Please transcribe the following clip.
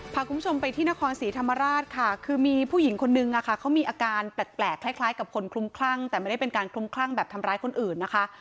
พาคุณผู้ชมไปที่นครศรีธรรมราชค่ะคือมีผู้หญิงคนนึงเขามีอาการแปลกคล้ายกับคนคลุมคลั่งแต่ไม่ได้เป็นการคลุมคลั่งแบบทำร้ายคนอื่นนะคะ